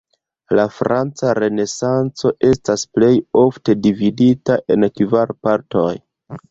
La franca Renesanco estas plej ofte dividita en kvar partoj.